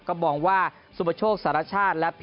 ก็บอกว่าสุภโชคศาสตร์รัชชาญ